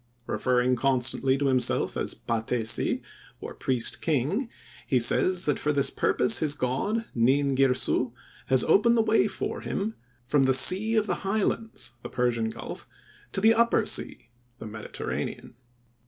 Referring constantly to himself as patesi, or priest king, he says that for this purpose his God, Nin Girsu, has opened the way for him "from the sea of the highlands,"—the Persian Gulf—"to the upper sea," the Mediterranean.